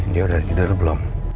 dia udah tidur belum